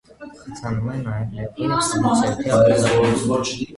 Խթանում է նաև լեղու և ստամոքսահյութի արտազատումը։